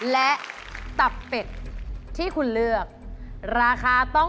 และตับเป็ดราคาถูกกว่าไหม